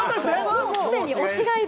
すでに推しがいる。